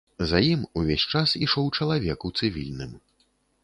За ім увесь час ішоў чалавек у цывільным.